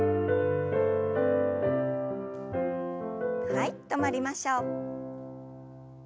はい止まりましょう。